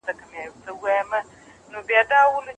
دا ونې ته اوبه ورکړئ.